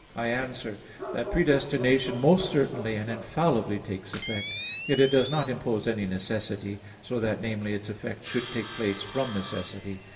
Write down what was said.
I answer that, Predestination most certainly and infallibly takes effect; yet it does not impose any necessity, so that, namely, its effect should take place from necessity.